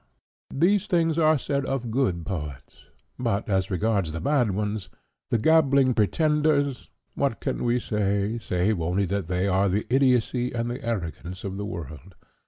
"These things are said of good poets; but, as respects the bad ones—the gabbling pretenders—what can we say, save only that they are the idiocy and the arrogance of the world.